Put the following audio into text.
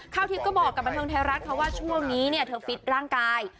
ข้าวทิพย์ก็บอกกับบันเทิงไทยรัฐค่ะว่าช่วงนี้เนี่ยเธอฟิตร่างกาย